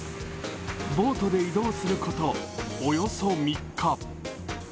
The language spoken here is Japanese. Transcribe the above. ボートで移動することおよそ３日。